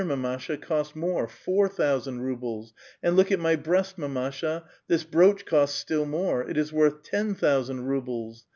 147 mamasha^ cost more, — four thousand nibles, — and look at mv breast, maviashal this brooch coHt still more; it is worth ten thousand rubles